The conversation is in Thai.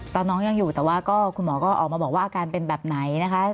ตอนน้องยังอยู่แต่ว่าก็คุณหมอก็ออกมาบอกว่าอาการเป็นแบบไหนนะคะ